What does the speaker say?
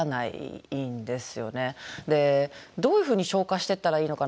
どういうふうに消化していったらいいのかなって。